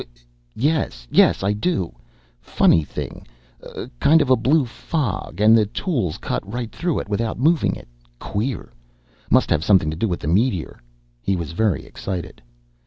Yes. Yes, I do! Funny thing. Kind of a blue fog. And the tools cut right through it without moving it! Queer! Must have something to do with the meteor!" He was very excited.